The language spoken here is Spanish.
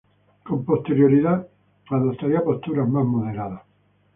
Con posterioridad adoptaría posturas más moderadas.